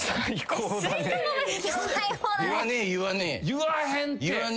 言わへんって。